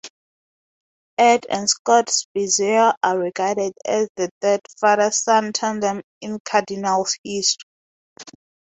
Ed and Scott Spiezio are regarded as the third father-son tandem in Cardinals' history.